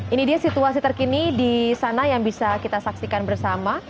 ini dia situasi terkini di sana yang bisa kita saksikan bersama